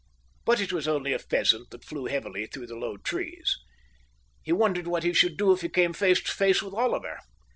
But it was only a pheasant that flew heavily through the low trees. He wondered what he should do if he came face to face with Oliver.